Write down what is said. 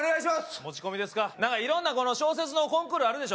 持ち込みですかいろんな小説のコンクールあるでしょ